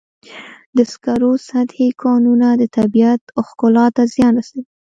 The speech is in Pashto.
د سکرو سطحي کانونه د طبیعت ښکلا ته زیان رسوي.